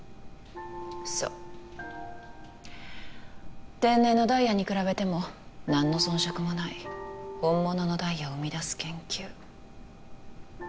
そう天然のダイヤに比べても何の遜色もない本物のダイヤを生み出す研究